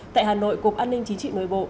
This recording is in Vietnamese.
tại hà nội cục an ninh chính trị nội bộ